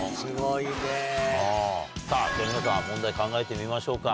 さあ、皆さん、問題、考えてみましょうか。